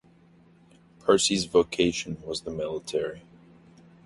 Percy's vocation was the military.